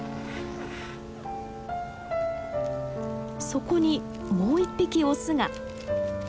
そこにもう一匹オスが。